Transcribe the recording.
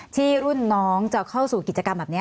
ที่รุ่นน้องจะเข้าสู่กิจกรรมแบบนี้